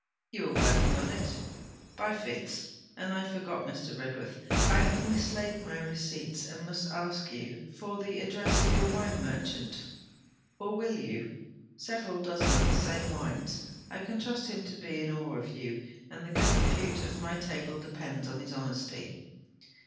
'You are working on it?' 'By fits. And I forgot, Mr. Redworth: I have mislaid my receipts, and must ask you for the address of your wine merchant; or, will you? Several dozen of the same wines. I can trust him to be in awe of you, and the good repute of my table depends on his honesty.'